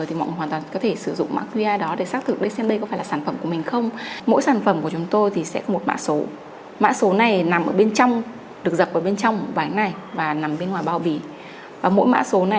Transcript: thì tôi sẽ xuất cho bạn lam